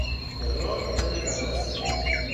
اقرار کمی قبل از فوت